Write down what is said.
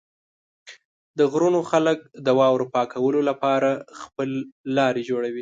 د غرونو خلک د واورو پاکولو لپاره خپل لارې جوړوي.